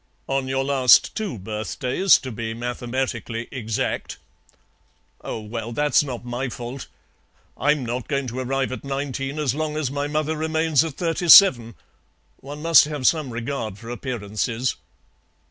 "On your last two birthdays, to be mathematically exact." "Oh, well, that's not my fault. I'm not going to arrive at nineteen as long as my mother remains at thirty seven. One must have some regard for appearances."